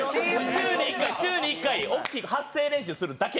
週に１回週に１回大きく発声練習するだけ！